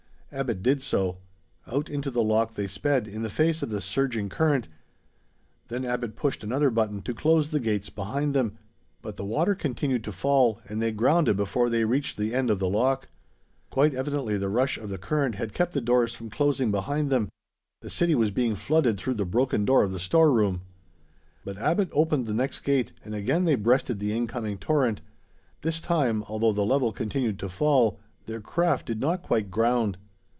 Abbot did so. Out into the lock they sped, in the face of the surging current. Then Abbot pushed another button to close the gates behind them. But the water continued to fall, and they grounded before they reached the end of the lock. Quite evidently the rush of the current had kept the doors from closing behind them. The city was being flooded through the broken door of the storeroom. But Abbot opened the next gate, and again they breasted the incoming torrent. This time, although the level continued to fall, their craft did not quite ground.